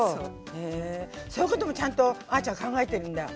へえそういうこともちゃんとあちゃん考えてるんだ。